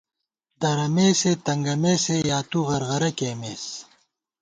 درَمېسے تنگَمېسے یا تُو غرغرہ کېئیمېس